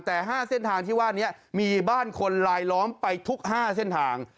แต่๕เส้นทางที่ว่านี้มีบ้านคนลายล้อมไปทุก๕เส้นทาง